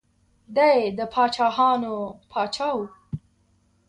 دی د پاچاهانو پاچا و.